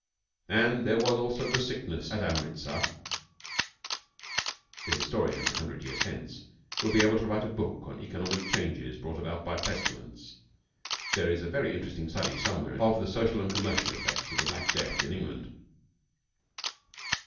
And there was also the Sickness at Amritsar.' (The historian a hundred years hence will be able to write a book on economic changes brought about by pestilence. There is a very interesting study somewhere of the social and commercial effects of the Black Death in England.)